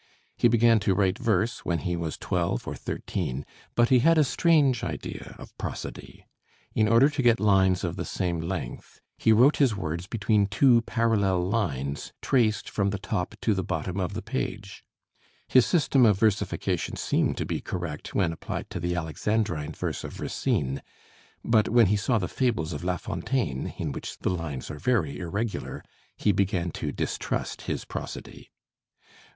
He began to write verse when he was twelve or thirteen, but he had a strange idea of prosody. In order to get lines of the same length he wrote his words between two parallel lines traced from the top to the bottom of the page. His system of versification seemed to be correct when applied to the Alexandrine verse of Racine; but when he saw the fables of La Fontaine, in which the lines are very irregular, he began to distrust his prosody. [Illustration: P.